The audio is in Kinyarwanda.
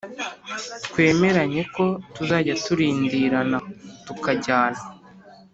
twemeranye ko tuzajya turindirana tukajyana